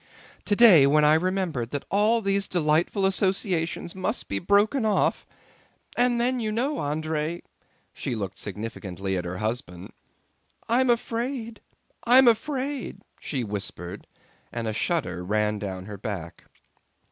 "Today when I remembered that all these delightful associations must be broken off ... and then you know, André..." (she looked significantly at her husband) "I'm afraid, I'm afraid!" she whispered, and a shudder ran down her back.